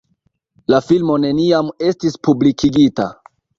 La filmo neniam estis publikigita.